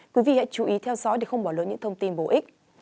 quý vị hãy chú ý theo dõi để không bỏ lỡ những thông tin bổ ích